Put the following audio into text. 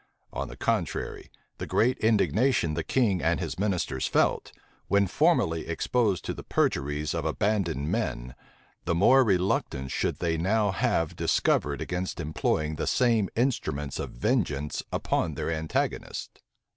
On the contrary, the greater indignation the king and his ministers felt, when formerly exposed to the perjuries of abandoned men, the more reluctance should they now have discovered against employing the same instruments of vengeance upon their antagonists.